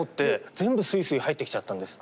全部スイスイ入ってきちゃったんです。